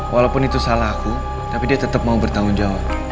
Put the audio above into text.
walaupun itu salah aku tapi dia tetap mau bertanggung jawab